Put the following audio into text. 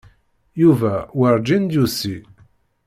Yuba werǧin d-yusi.